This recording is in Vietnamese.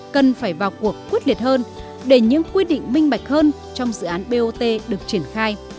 cần phải vào cuộc quyết liệt hơn để những quy định minh bạch hơn trong dự án bot được triển khai